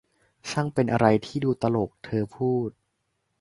ช่างเป็นอะไรที่ดูตลก ! เธอพูด